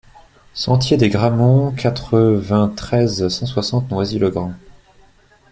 Sentier des Grammonts, quatre-vingt-treize, cent soixante Noisy-le-Grand